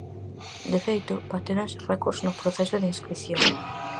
De feito, batéronse récords no proceso de inscrición.